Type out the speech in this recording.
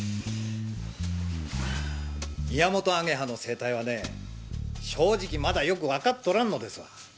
ミヤモトアゲハの生態はね正直まだよくわかっとらんのですわ。